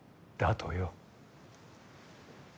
だとよ。